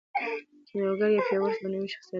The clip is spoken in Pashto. کیمیاګر یو پیاوړی معنوي شخصیت دی.